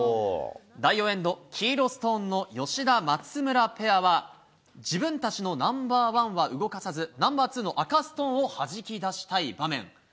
第４エンド、黄色ストーンの吉田・松村ペアは、自分たちのナンバーワンは動かさず、ナンバーツーの赤ストーンをはじき出したい場面。